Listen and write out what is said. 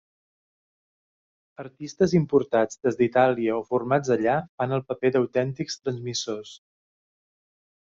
Artistes importats des d'Itàlia o formats allà fan el paper d'autèntics transmissors.